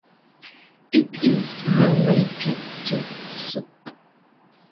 It is related to soup.